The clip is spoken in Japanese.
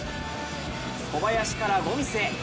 小林からゴミスへ。